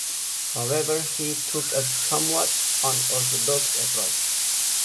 However he took a somewhat unorthodox approach.